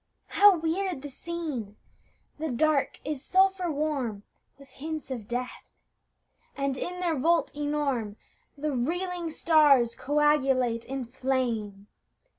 How weird the scene! The Dark is sulphur warm With hints of death; and in their vault enorme The reeling stars coagulate in flame.